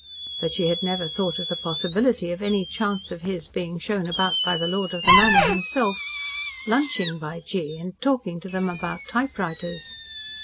But she had never thought of the possibility of any chance of his being shown about by the lord of the manor himself lunching, by gee! and talking to them about typewriters.